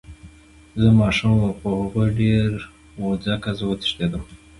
زه ماشوم وم خو هغوي ډير وو ځکه زه وتښتېدم.